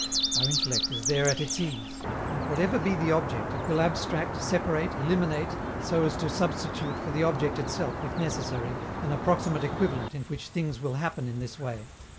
Our intellect is there at its ease; and, whatever be the object, it will abstract, separate, eliminate, so as to substitute for the object itself, if necessary, an approximate equivalent in which things will happen in this way.